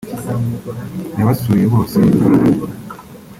yabasuye bose